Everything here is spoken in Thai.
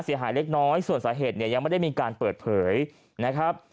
เสียหายเล็กน้อยส่วนสาเหตุเนี่ยยังไม่ได้มีการเปิดเผยนะครับ